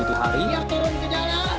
tiga turun ke jalan